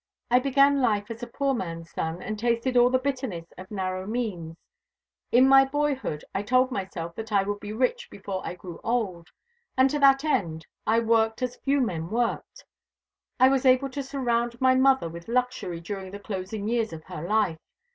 I began life as a poor man's son, and tasted all the bitterness of narrow means. In my boyhood I told myself that I would be rich before I grew old, and to that end I worked as few men work. I was able to surround my mother with luxury during the closing years of her life.